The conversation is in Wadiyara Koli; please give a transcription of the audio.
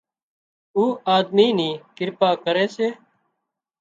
اُو آۮمي ني ڪرپا سي